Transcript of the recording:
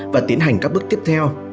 và tiến hành các bước tiếp theo